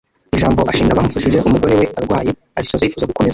ijambo ashimira abamufashije umugore we arwaye arisoza yifuza gukomeza